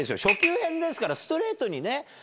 初級編ですからストレートにね。